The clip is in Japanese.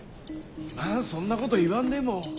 今そんなこと言わんでも。